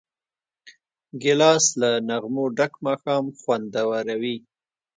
ګیلاس له نغمو ډک ماښام خوندوروي.